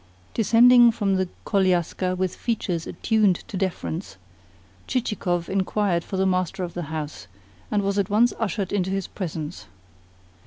Descending from the koliaska with features attuned to deference, Chichikov inquired for the master of the house, and was at once ushered into his presence.